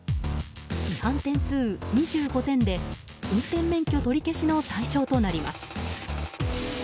違反点数２５点で運転免許取り消しの対象となります。